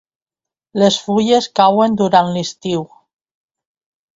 Les fulles cauen durant l'estiu.